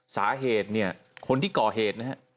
สาเหตุคนที่ก่อเหตุนะฮะ